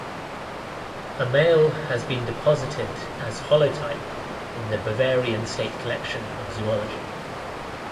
A male has been deposited as holotype in the Bavarian State Collection of Zoology.